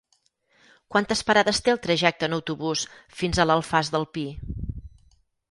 Quantes parades té el trajecte en autobús fins a l'Alfàs del Pi?